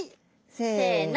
せの。